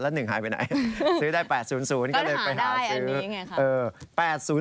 ก็ได้หาได้อันนี้ไงครับ